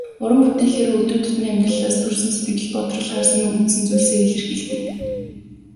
Уран бүтээлээрээ өдөр тутмын амьдралаас төрсөн сэтгэгдэл, бодрол, харсан үзсэн зүйлсээ илэрхийлдэг.